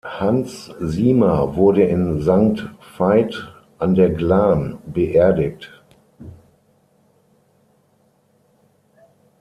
Hans Sima wurde in Sankt Veit an der Glan beerdigt.